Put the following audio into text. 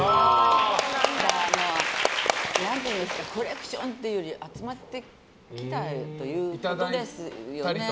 何て言うかコレクションっていうより集まってきたってことですよね。